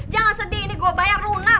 jangan sedih ini gue bayar lunak